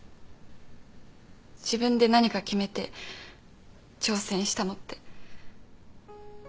自分で何か決めて挑戦したのって。